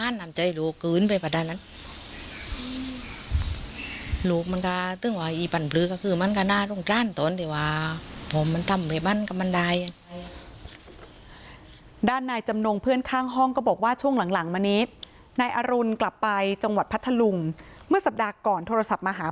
ในอรุณกลับไปจังหวัดพัทธาลุงเมื่อสัปดาห์ก่อนโทรศัพท์มาหา